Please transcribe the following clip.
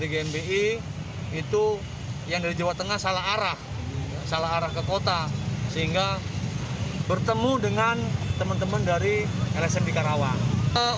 gmi itu yang dari jawa tengah salah arah salah arah ke kota sehingga bertemu dengan teman teman dari lsm di karawang